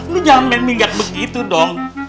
lu jangan main minyak begitu dong